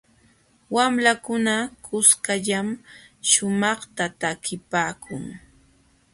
Wamlakuna kuskallam shumaqta takipaakun.